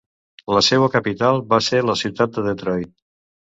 La seua capital va ser la ciutat de Detroit.